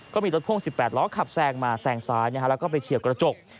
ก็มีรถพ่วง๑๘ล้อขับแซงมาแซงซ้ายแล้วก็ไปเฉียวกระจก